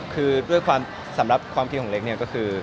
คือสำหรับความคิดของเล็กนี่ก็คือ